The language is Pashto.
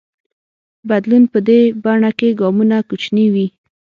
بدلون په دې بڼه کې ګامونه کوچني وي.